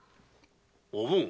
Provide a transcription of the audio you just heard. おぶん。